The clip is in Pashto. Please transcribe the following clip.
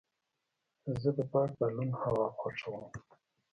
زه د پاک بالون هوا خوښوم.